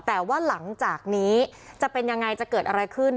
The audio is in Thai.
แต่ว่าหลังจากนี้จะเป็นยังไงจะเกิดอะไรขึ้น